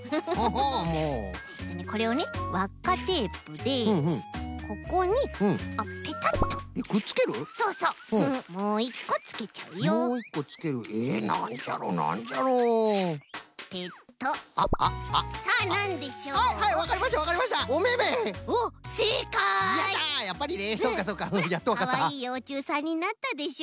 ほらかわいいようちゅうさんになったでしょ？